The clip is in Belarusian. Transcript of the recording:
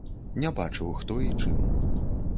Не бачыў хто і чым.